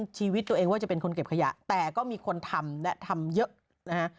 ชีวิตตัวเองว่าจะเป็นคนเก็บขยะแต่ก็มีคนทำและทำเยอะนะฮะ